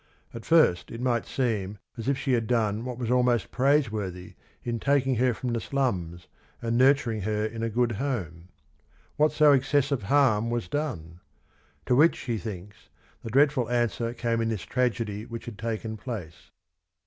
At first it might seem as if she had done what was almost praiseworthy in taking her from the slums, and nurturing her in a good home. " What so exces sive harm was done?" To which, he thinks, the dreadful answer came in this tragedy which had taken place.